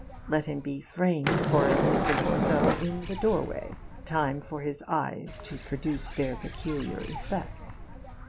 Let him be framed for an instant or so in the doorway time for his eyes to produce their peculiar effect.